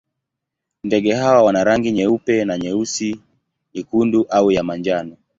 Ndege hawa wana rangi nyeupe na nyeusi, nyekundu au ya manjano.